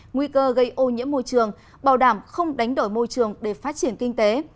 nguy cơ gây ô nhiễm môi trường bảo đảm không đánh đổi môi trường để phát triển kinh tế